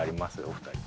お二人。